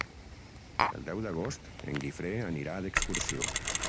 El deu d'agost en Guifré anirà d'excursió.